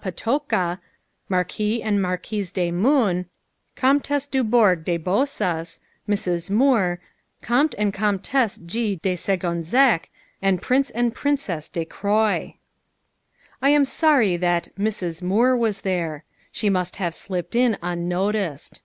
Potocka, Marquis and Marquise de Mun, Comtesse du Bourg de Bozas, Mrs. Moore, Comte and Comtesse G. de Segonzec and Prince and Princess de Croy." I am sorry that "Mrs. Moore" was there. She must have slipped in unnoticed.